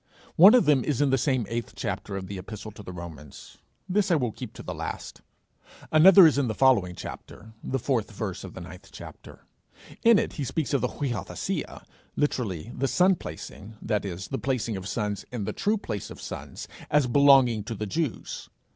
One of them is in the same eighth chapter of the epistle to the Romans; this I will keep to the last. Another is in the following chapter, the fourth verse; in it he speaks of the [Greek: viothesia], literally the son placing (that is, the placing of sons in the true place of sons), as belonging to the Jews.